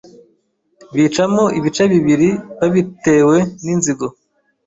bicamo ibice bibiri babitewe n’inzigo